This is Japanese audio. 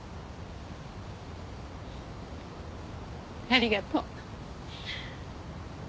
ありがとう。